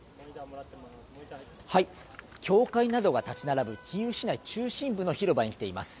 教会などが立ち並ぶキーウ市内中心部の広場に来ています。